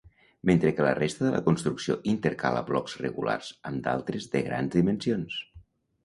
Mentre que la resta de la construcció intercala blocs regulars amb d'altres de grans dimensions.